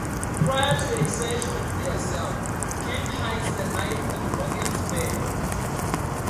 Prior to a search of their cell, Kent hides the knife in Morgan's bed.